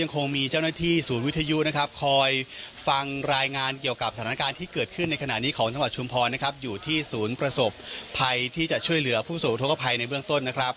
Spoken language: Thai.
ยังคงมีเจ้าหน้าที่สูตรวิทยุคอยฟังรายงานเกี่ยวกับสถานการณ์ที่เกิดขึ้นในขณะนี้ของจังหวัดชุมพรอยู่ที่สูตรประสบภัยที่จะช่วยเหลือผู้สูตรกระพัยในเบื้องต้น